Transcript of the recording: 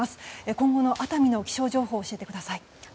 今後の熱海の気象情報を教えてください。